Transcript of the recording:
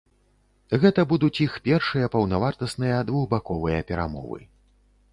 Гэта будуць іх першыя паўнавартасныя двухбаковыя перамовы.